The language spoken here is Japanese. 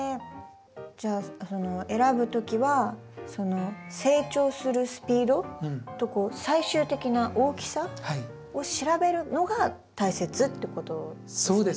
じゃあ選ぶときは成長するスピードと最終的な大きさを調べるのが大切ってことですね。